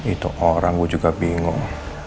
itu orang juga bingung